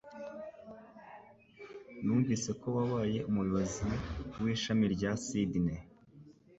Numvise ko wabaye umuyobozi w'ishami rya Sydney